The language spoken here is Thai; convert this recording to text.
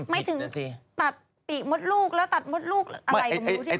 ไม่ถึงตัดปีกมดลูกแล้วตัดมดลูกอะไรก็ไม่รู้สิค